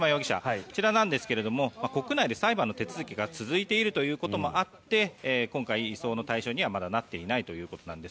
こちらなんですが国内で裁判の手続きが続いているということもあって今回、移送の対象にはまだなっていないということなんです。